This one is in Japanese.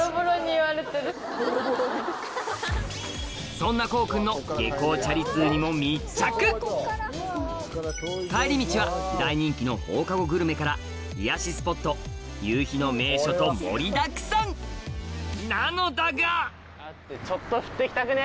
そんな紘君の帰り道は大人気の放課後グルメから癒やしスポット夕日の名所と盛りだくさんなのだが！